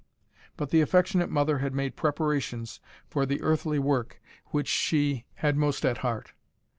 But the affectionate mother had made preparations for the earthly work which she had most at heart.